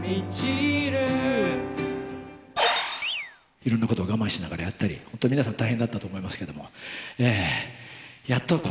いろんなことを我慢しながらやったり、本当、皆さん大変だったと思いますけれども、やっとこ